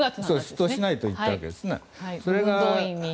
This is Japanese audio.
出頭しないと言ったわけですね。